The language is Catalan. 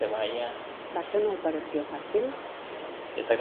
Va ser una operació fàcil?